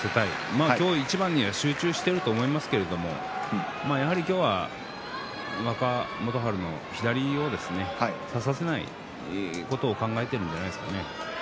まあ今日一番に集中していると思いますけれど今日は若元春の左を差させないことを考えているんじゃないですかね。